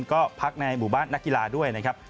ก็พักในบุบาทนักกีฬาด้วยนะครับ